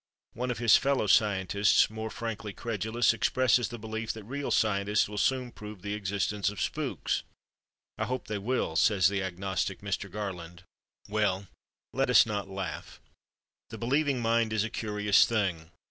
One of his fellow "scientists," more frankly credulous, expresses the belief that real scientists will soon prove the existence of spooks. "I hope they will," says the agnostic Mr. Garland.... Well, let us not laugh. The believing mind is a curious thing.